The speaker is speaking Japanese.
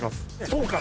そうか。